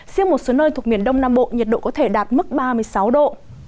riêng một số nơi thuộc miền đông nam bộ nhiệt độ có thể đạt mức ba mươi sáu độ